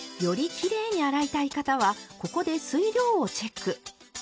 よりきれいに洗いたい方はここで水量をチェック。